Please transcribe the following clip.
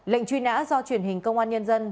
lệnh truy nã do truyền hình công an nhân dân